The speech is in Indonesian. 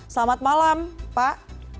selamat malam pak